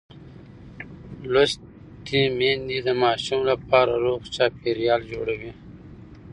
لوستې میندې د ماشوم لپاره روغ چاپېریال جوړوي.